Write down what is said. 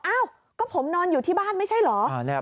อ้าวก็ผมนอนอยู่ที่บ้านไม่ใช่เหรอ